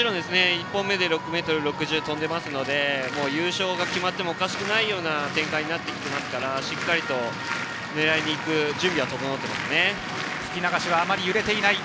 １本目で６ｍ６０跳んでますので優勝が決まってもおかしくないような展開になってきていますから狙いにいく準備は整っていますね。